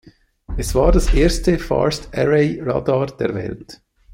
Es war das erste Phased-Array-Radar der Welt.